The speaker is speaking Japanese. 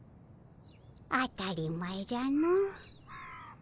当たり前じゃの。